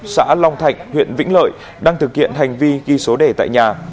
xã long thạnh huyện vĩnh lợi đang thực hiện hành vi ghi số đề tại nhà